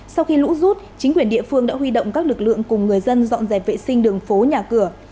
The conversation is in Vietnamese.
sau khi lũ rút chính quyền địa phương đã huy động các lực lượng cùng người dân dọn dẹp vệ sinh đường phố nhà cửa